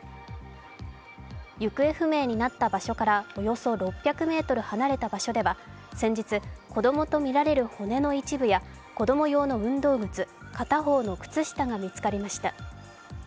行方不明になっている場所からおよそ６００ｍ離れた場所では先日、子供とみられる骨の一部や子供用の運動靴、片方の靴下が見つかりました。